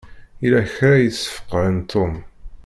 Yella kra i yesfeqɛen Tom.